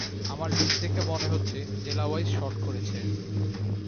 আমার লিস্ট দেখে মনে হচ্ছে জেলা ওয়াইজ শর্ট করেছে।